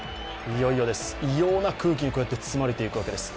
いよいよです、異様な空気に包まれていくわけです。